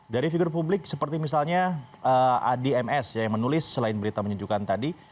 dari figur publik seperti misalnya adi ms yang menulis selain berita menyejukkan tadi